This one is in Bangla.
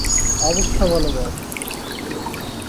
অবস্থা বলো, বব।